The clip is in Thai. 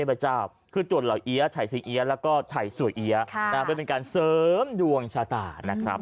เพื่อเป็นการเสริมดวงชาตานะครับ